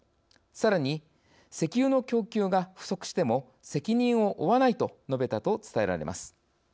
さらに「石油の供給が不足しても責任を負わない」と述べたと伝えられます。